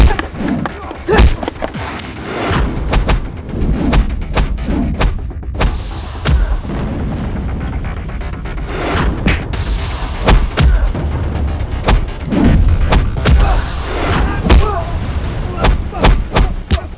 ayo jangan dimanjir tejar